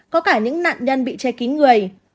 có cả những nạn nhân bị che kín người